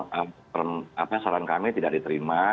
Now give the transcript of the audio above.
karena saran kami tidak diterima